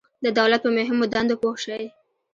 د دولت په مهمو دندو پوه شئ.